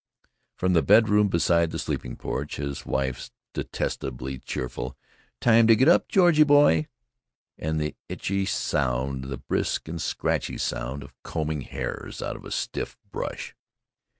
From the bedroom beside the sleeping porch, his wife's detestably cheerful "Time to get up, Georgie boy," and the itchy sound, the brisk and scratchy sound, of combing hairs out of a stiff brush.